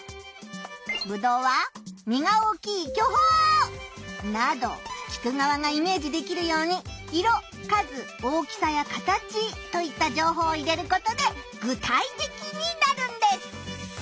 ぶどうは実が大きい巨峰。など聞くがわがイメージできるように色数大きさや形といった情報を入れることで具体的になるんです！